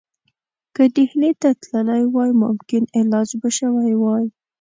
که ډهلي ته تللی وای ممکن علاج به شوی وای.